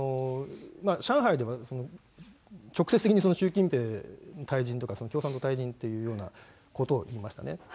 上海では、直接的に習近平退陣とか、共産党退陣というようなことを言いましたね。